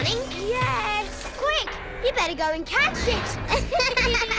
アハハッ。